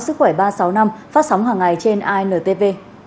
sức khỏe ba trăm sáu mươi năm phát sóng hàng ngày trên intv